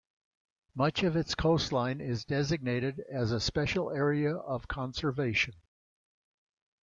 Much of its coastline is designated as a Special Area of Conservation.